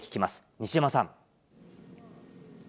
西山さん。